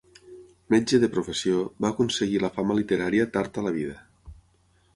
Metge de professió, va aconseguir la fama literària tard a la vida.